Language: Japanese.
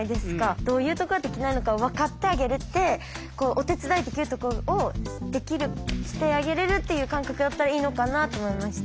どういうとこができないのか分かってあげれてお手伝いできるところをしてあげれるっていう感覚だったらいいのかなと思いました。